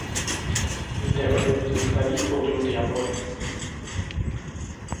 Jde o jednu ze starých odrůd jabloní.